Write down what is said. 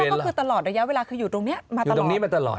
ก็คือตลอดระยะเวลาคืออยู่ตรงนี้มาตลอด